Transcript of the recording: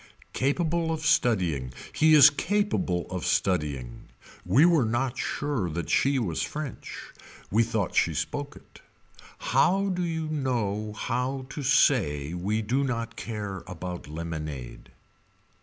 Capable of studying. He is capable of studying. We were not sure that she was french. We thought she spoke it. How do you know how to say we do not care about lemonade.